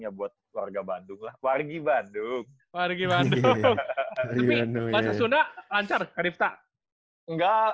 ya buat warga bandung wargi bandung wargi bandung tapi masa sudah lancar karypta enggak